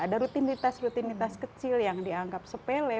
ada rutinitas rutinitas kecil yang dianggap sepele